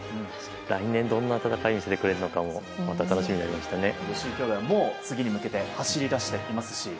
来年、どんな戦いを見せてくれるのかも吉居兄弟は、もう次に向けて走り出していますし。